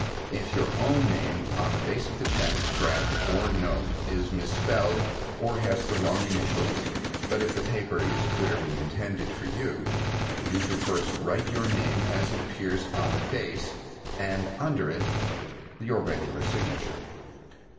If your own name on the face of the check, draft or note is misspelled, or has the wrong initials, but if the paper is clearly intended for you, you should first write your name as it appears on the face, and under it your regular signature.